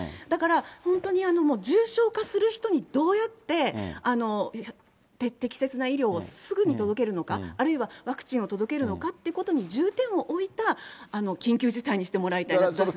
だから本当にもう重症化する人にどうやって適切な医療をすぐに届けるのか、あるいはワクチンを届けるのかっていうことに重点を置いた緊急事態にしてもらいたいと。